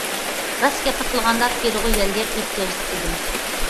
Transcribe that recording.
راست گەپنى قىلغاندا تېرىلغۇ يەرگە ئېھتىياجلىق ئىدىم.